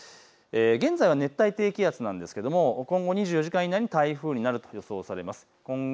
現在は熱帯低気圧なんですけども今後２４時間以内に台風になると予想されます。